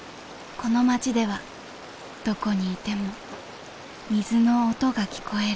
この町ではどこにいても水の音が聞こえる。